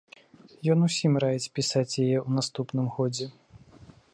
Ён усім раіць пісаць яе ў наступным годзе.